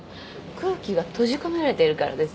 空気が閉じ込められているからです。